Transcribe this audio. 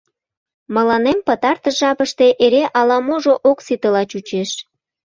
Мыланем пытартыш жапыште эре ала-можо ок ситыла чучеш.